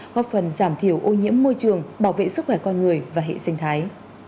góp phần giảm thiểu ô nhiễm môi trường bảo vệ sức khỏe con người và hệ sinh thái